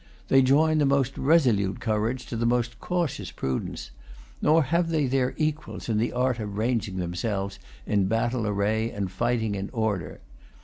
They join the most resolute courage to the most cautious prudence; nor have they their equals in the art of ranging themselves in battle array and fighting in order.